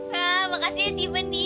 hah makasih ya steven di